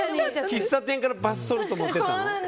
喫茶店からバスソルト持ってったの。